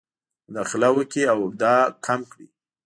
مداخله وکړي او دا کم کړي.